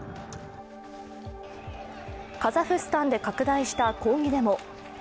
カザフスタンで拡大した抗議デモ。